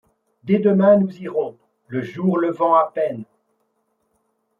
Dès demain, nous irons, le jour levant à peine